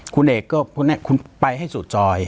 ปากกับภาคภูมิ